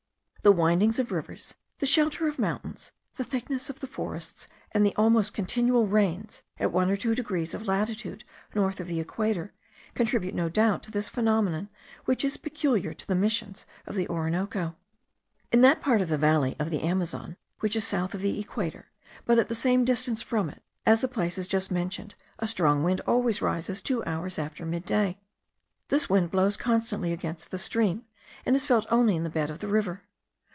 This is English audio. The windings of rivers, the shelter of mountains, the thickness of the forests, and the almost continual rains, at one or two degrees of latitude north of the equator, contribute no doubt to this phenomenon, which is peculiar to the missions of the Orinoco. In that part of the valley of the Amazon which is south of the equator, but at the same distance from it, as the places just mentioned, a strong wind always rises two hours after mid day. This wind blows constantly against the stream, and is felt only in the bed of the river.